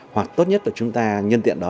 hoặc tốt nhất là chúng ta nhân tiện đó